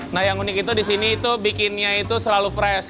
nah yang unik itu di sini itu bikinnya itu selalu fresh